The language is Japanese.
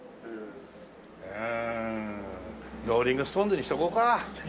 ローリングストーンズにしておこうか。